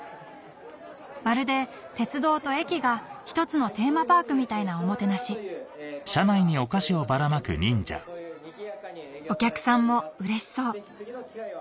まるで鉄道と駅が１つのテーマパークみたいなおもてなしお客さんもうれしそう